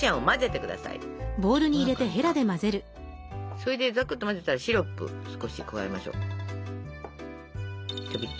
それでザクッと混ぜたらシロップを少し加えましょう。